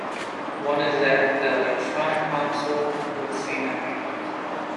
One is that the electronic console would say Nothing here.